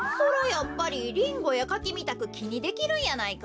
やっぱりリンゴやカキみたくきにできるんやないか？